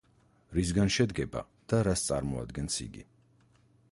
რისგან შედგება და რას წარმოადგენს იგი.